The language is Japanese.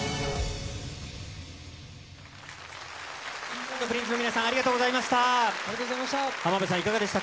Ｋｉｎｇ＆Ｐｒｉｎｃｅの皆ありがとうございました。